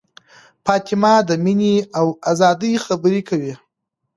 فاطمه د مینې او ازادۍ خبرې کوي.